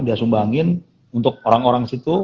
dia sumbangin untuk orang orang situ